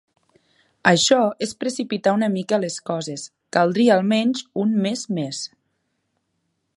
Això és precipitar una mica les coses, caldria almenys un mes més.